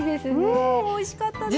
うんおいしかったです。